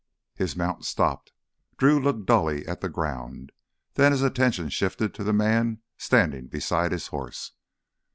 His mount stopped. Drew looked dully at the ground. Then his attention shifted to the man standing beside his horse.